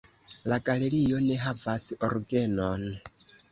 La galerio ne havas orgenon.